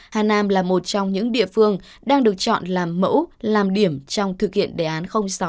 hà nam là một trong những địa phương đang được chọn làm mẫu làm điểm trong thực hiện đề án sáu